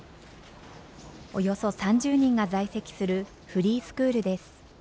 およそ３０人が在籍するフリースクールです。